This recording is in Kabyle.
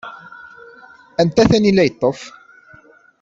Anta tanila yeṭṭef?